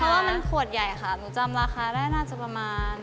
เพราะว่ามันขวดใหญ่ค่ะหนูจำราคาได้น่าจะประมาณ